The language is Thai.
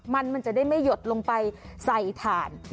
มันมันจะได้ไม่หยดลงไปใส่ถ่าน